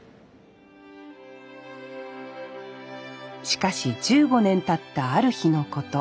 しかし１５年たったある日のこと。